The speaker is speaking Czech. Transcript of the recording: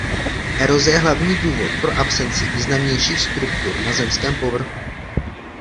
Eroze je hlavní důvod pro absenci významnějších struktur na zemském povrchu.